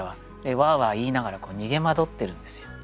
ワーワー言いながら逃げ惑ってるんですよ。